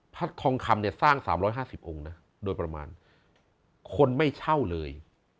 ทองคำเนี่ยสร้าง๓๕๐องค์นะโดยประมาณคนไม่เช่าเลย